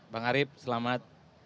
bang arief selamat